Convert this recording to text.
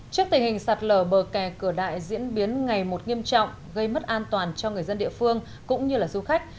trước tình hình sạt lở bờ kè cửa đại diễn biến ngày một nghiêm trọng gây mất an toàn cho người dân địa phương cũng như du khách